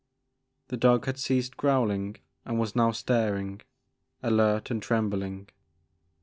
The dog had ceased growling and was now star ing, alert and trembling.